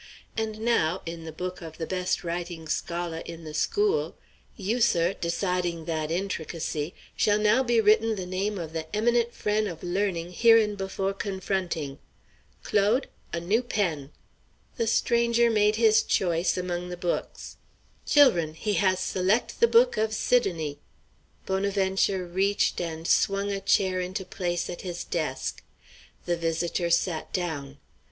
And now, in the book of the best writing scholar in the school you, sir, deciding that intricacy shall now be written the name of the eminent frien' of learning hereinbefo' confronting. Claude! a new pen!" The stranger made his choice among the books. "Chil'run, he has select' the book of Sidonie!" Bonaventure reached and swung a chair into place at his desk. The visitor sat down.